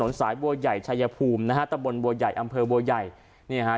สายบัวใหญ่ชายภูมินะฮะตะบนบัวใหญ่อำเภอบัวใหญ่เนี่ยฮะ